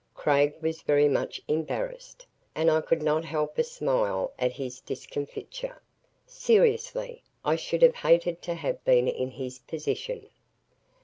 Craig was very much embarrassed, and I could not help a smile at his discomfiture. Seriously, I should have hated to have been in his position.